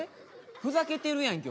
ふざけてるやんけお前。